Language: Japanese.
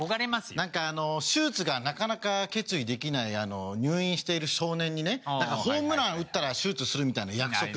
なんか手術がなかなか決意できない入院している少年にねホームラン打ったら手術するみたいな約束。